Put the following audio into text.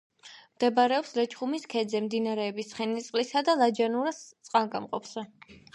მდებარეობს ლეჩხუმის ქედზე, მდინარეების ცხენისწყლისა და ლაჯანურას წყალგამყოფზე.